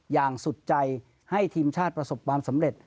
อย่างสุดใจให้ทีมชาติประสบความสำเร็จ